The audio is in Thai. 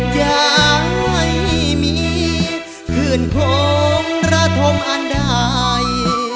อย่าให้มีเคลื่อนของระธมอันดาย